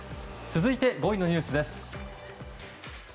続いて５位のニュースです。